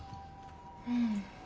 うん。